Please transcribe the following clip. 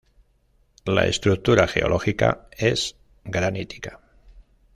La estructura geológica es granítica.